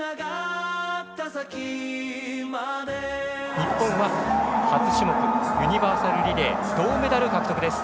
日本は初種目ユニバーサルリレー銅メダル獲得です。